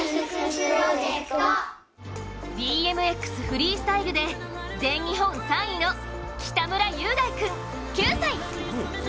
フリースタイルで全日本３位の北村雄大君９歳。